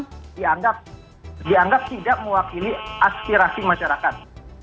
yang dianggap tidak mewakili aspirasi masyarakat